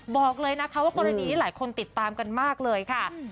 บอกเลยนะคะว่ากรณีนี้หลายคนติดตามกันมากเลยค่ะ